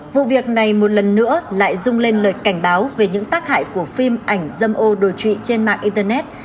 vụ việc này một lần nữa lại rung lên lời cảnh báo về những tác hại của phim ảnh dâm ô đồ trụy trên mạng internet